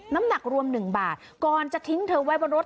น้ำหนักรวม๑บาทก่อนจะทิ้งเธอไว้บนรถ